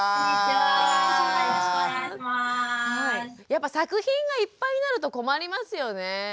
やっぱ作品がいっぱいになると困りますよね。